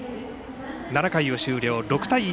７回を終了、６対１。